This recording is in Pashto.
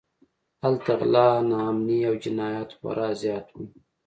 هلته غلا، ناامنۍ او جنایت خورا زیات و.